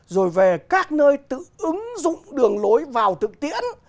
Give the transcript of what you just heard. rồi về các nơi tự ứng dụng đường lối vào thực tiễn